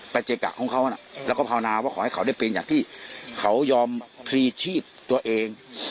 เจกะของเขานะแล้วก็ภาวนาว่าขอให้เขาได้เป็นอย่างที่เขายอมพลีชีพตัวเอง